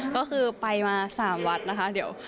ก็คือไปมา๓วัดนะคะเดี๋ยว